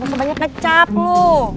nggak sebanyak kecap lo